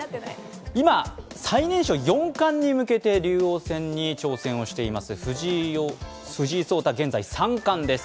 今、最年少四冠に向けて竜王戦に挑戦しています藤井聡太、現在、三冠です。